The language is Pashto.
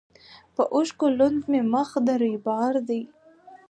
په اوښکو لوند مي مخ د رویبار دی